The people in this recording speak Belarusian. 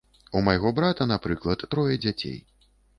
У майго брата, напрыклад, трое дзяцей.